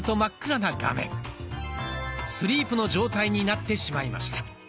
スリープの状態になってしまいました。